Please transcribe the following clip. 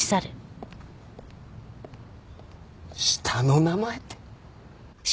下の名前って！